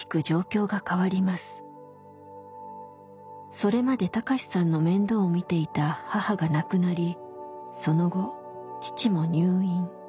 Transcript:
それまで貴志さんの面倒を見ていた母が亡くなりその後父も入院。